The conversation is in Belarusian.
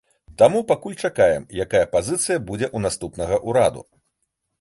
Таму пакуль чакаем, якая пазіцыя будзе ў наступнага ўраду.